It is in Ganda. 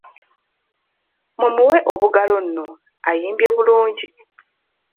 Mumuwe obugalo nno ayimbye bulungi.